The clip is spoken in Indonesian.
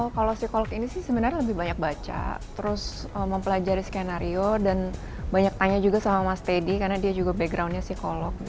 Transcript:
kalau psikolog ini sih sebenarnya lebih banyak baca terus mempelajari skenario dan banyak tanya juga sama mas teddy karena dia juga backgroundnya psikolog